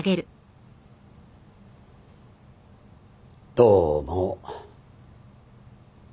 どうも。